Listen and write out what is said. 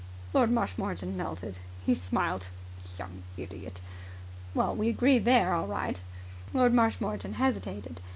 Lord Marshmoreton melted. He smiled. "Young idiot!" "We agree there all right." Lord Marshmoreton hesitated.